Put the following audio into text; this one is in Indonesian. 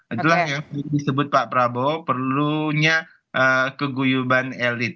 itulah yang disebut pak prabowo perlunya keguyuban elit